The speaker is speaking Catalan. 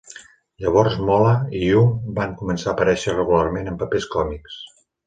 Llavors Moolah i Young van començar a aparèixer regularment en papers còmics.